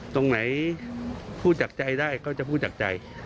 ตรงไหนพูดจากใจได้ก็จะพูดจากใจ